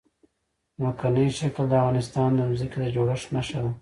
ځمکنی شکل د افغانستان د ځمکې د جوړښت نښه ده.